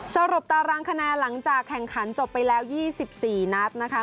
สรุปตารางคะแนนหลังจากแข่งขันจบไปแล้ว๒๔นัดนะคะ